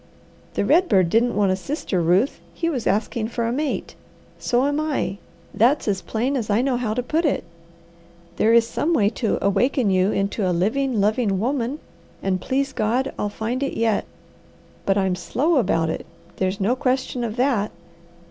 The red bird didn't want a sister, Ruth, he was asking for a mate. So am I. That's as plain as I know how to put it. There is some way to awaken you into a living, loving woman, and, please God, I'll find it yet, but I'm slow about it; there's no question of that.